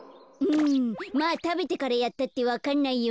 まあたべてからやったってわかんないよね。